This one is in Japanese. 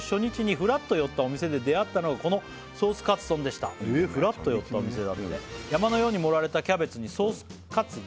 「フラッと寄ったお店で出会ったのがこのソースカツ丼でした」へえフラッと寄ったお店だって「山のように盛られたキャベツにソースカツが」